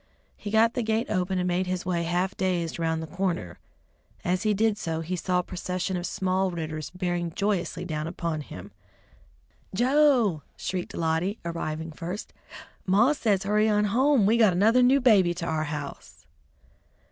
He got the gate open and made his way half dazed around the corner. As he did so, he saw a procession of small Ridders bearing joyously down upon him. "Joe!" shrieked Lottie, arriving first, "Maw says hurry on home; we got another new baby to our house."